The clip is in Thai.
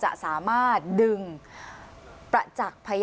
อันดับที่สุดท้าย